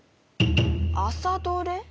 「朝どれ」？